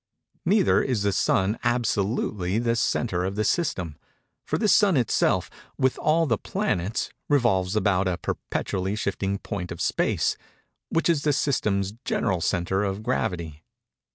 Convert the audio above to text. Neither is the Sun absolutely the centre of the system; for this Sun itself, with all the planets, revolves about a perpetually shifting point of space, which is the system's general centre of gravity.